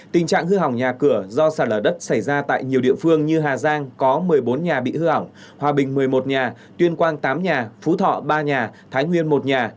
tình trạng hư hỏng nhà cửa do sạt lở đất xảy ra tại nhiều địa phương như hà giang có một mươi bốn nhà bị hư hỏng hòa bình một mươi một nhà tuyên quang tám nhà phú thọ ba nhà thái nguyên một nhà